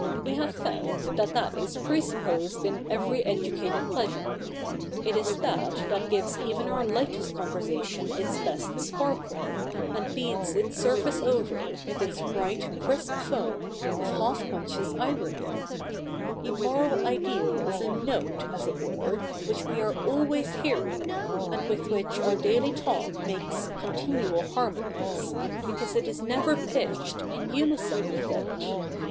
We have found that that is pre supposed in every educated pleasure. It is that that gives even our lightest conversation its best sparkle, and beads its surface over with its bright, crisp foam of half conscious 220 THE NEW REPUBLIC [bk. iv irony. The moral ideal is a note, as it were, which we are always hearing, and with which our daily talk makes continual harmonies, because it is never pitched in unison with it.